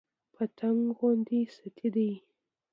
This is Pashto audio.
د پتنګ غوندې ستي دى